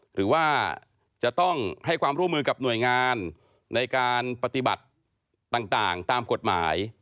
หรือว่าจะต้องให้ความร่วมมือกับหน่วยงานในการปฏิบัติต่างตามกฎหมาย